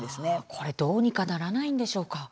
これはどうにかならないんでしょうか。